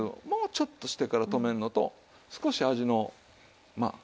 もうちょっとしてから止めるのと少し味のま